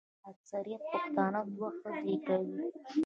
اکثریت پښتانه دوې ښځي کوي.